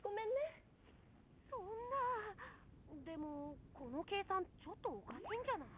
そんなでもこの計算ちょっとおかしいんじゃない？